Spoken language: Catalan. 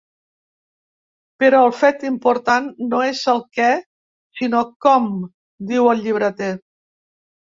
Però el fet important no és el què, sinó com –diu el llibreter–.